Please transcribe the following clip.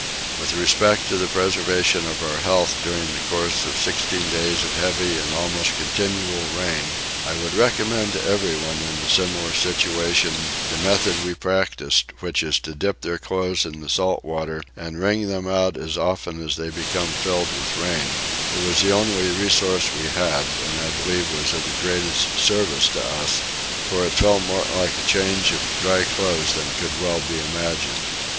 With respect to the preservation of our health during a course of 16 days of heavy and almost continual rain I would recommend to everyone in a similar situation the method we practised which is to dip their clothes in the salt water and wring them out as often as they become filled with rain: it was the only resource we had, and I believe was of the greatest service to us, for it felt more like a change of dry clothes than could well be imagined.